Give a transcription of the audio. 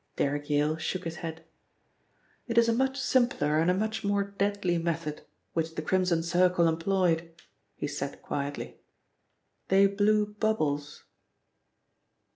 Derrick Yale shook his head. "It is a much simpler and a much more deadly method which the Crimson Circle employed," he said quietly. "They blew bubbles."